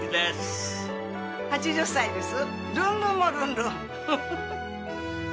８０歳です。